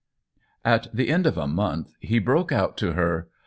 At the end of a month he broke out to her.